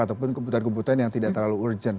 ataupun kebutuhan kebutuhan yang tidak terlalu urgent